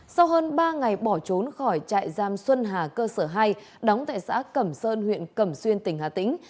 sau hơn ba ngày bỏ trốn khỏi trại giam xuân hà cơ sở hai đóng tại xã cẩm sơn huyện cẩm xuyên tỉnh hà tĩnh